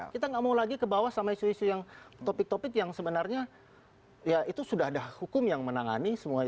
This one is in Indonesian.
kita nggak mau lagi ke bawah sama isu isu yang topik topik yang sebenarnya ya itu sudah ada hukum yang menangani semua